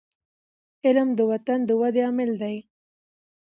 علم د وطن د ودي عامل دی.